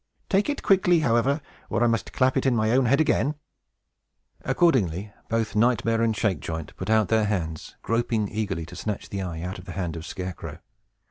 Take it quickly, however, or I must clap it into my own head again!" Accordingly, both Nightmare and Shakejoint put out their hands, groping eagerly to snatch the eye out of the hand of Scarecrow.